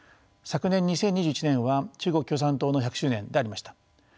昨年２０２１年は中国共産党の１００周年でありました。